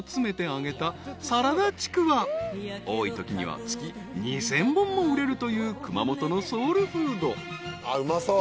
［多いときには月２，０００本も売れるという熊本のソウルフード］うまそう。